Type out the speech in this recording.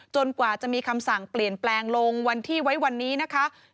กว่าจะมีคำสั่งเปลี่ยนแปลงลงวันที่ไว้วันนี้นะคะ